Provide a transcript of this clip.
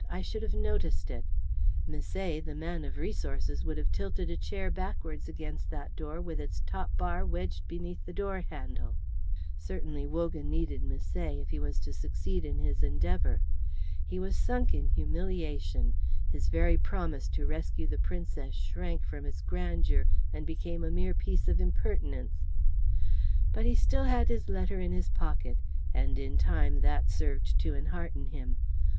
"I should have noticed it. Misset, the man of resources, would have tilted a chair backwards against that door with its top bar wedged beneath the door handle." Certainly Wogan needed Misset if he was to succeed in his endeavour. He was sunk in humiliation; his very promise to rescue the Princess shrank from its grandeur and became a mere piece of impertinence. But he still had his letter in his pocket, and in time that served to enhearten him.